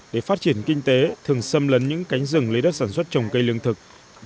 để phát triển kinh tế thường xâm lấn những cánh rừng lấy đất sản xuất trồng cây lương thực